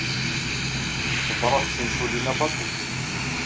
Ḍebbreɣ-d tinfulin-a baṭel.